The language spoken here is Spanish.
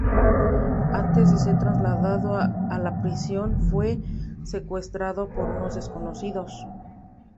Antes de ser trasladado a la prisión, fue secuestrado por unos desconocidos.